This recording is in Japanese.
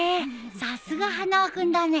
さすが花輪君だね。